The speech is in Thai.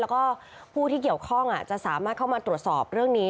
แล้วก็ผู้ที่เกี่ยวข้องจะสามารถเข้ามาตรวจสอบเรื่องนี้